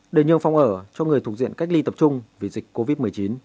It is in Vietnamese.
để nhường phòng ở cho người thuộc diện cách ly tập trung vì dịch covid một mươi chín